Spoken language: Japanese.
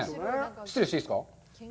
失礼していいですか。